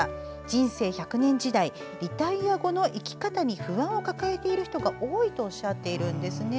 人生百年時代リタイア後の生き方に不安を抱えている人が多いとおっしゃっているんですね。